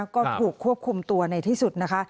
ก็ถูกควบคุมตัวในที่สุดนะคะ